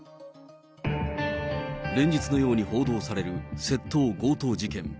連日のように報道される窃盗、強盗事件。